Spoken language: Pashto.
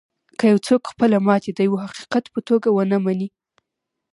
که یو څوک خپله ماتې د یوه حقیقت په توګه و نهمني